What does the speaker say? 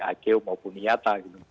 akeu maupun niata